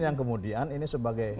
yang kemudian ini sebagai